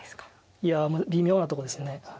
いや微妙なとこです。